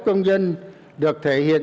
công nhân được thể hiện